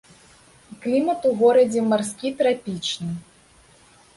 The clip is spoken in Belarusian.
Клімат у горадзе марскі трапічны.